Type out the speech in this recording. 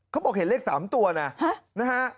เขาบอกเห็นเลข๓ตัวนะนะฮะ